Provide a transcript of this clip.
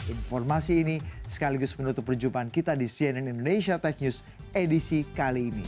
informasi ini sekaligus menutup perjumpaan kita di cnn indonesia tech news edisi kali ini